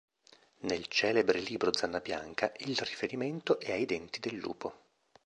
Nel celebre libro Zanna Bianca, il riferimento è ai denti del lupo.